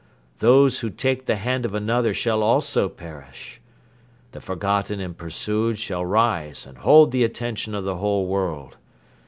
Those who take the hand of another shall also perish. The forgotten and pursued shall rise and hold the attention of the whole world.